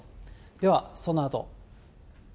ではそのあと。